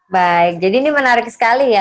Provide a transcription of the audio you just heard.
baik jadi ini menarik sekali ya